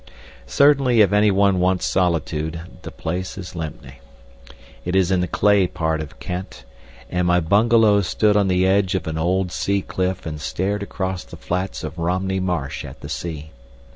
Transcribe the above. Certainly if any one wants solitude, the place is Lympne. It is in the clay part of Kent, and my bungalow stood on the edge of an old sea cliff and stared across the flats of Romney Marsh at the sea.